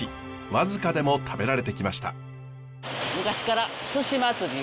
和束でも食べられてきました。